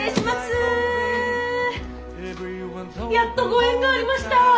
やっとご縁がありました！